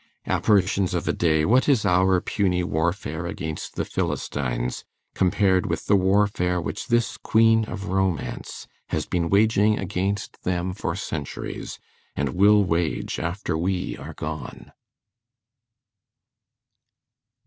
Apparitions of a day, what is our puny warfare against the Philistines, compared with the warfare which this queen of romance has been waging against them for centuries, and will wage after we are gone?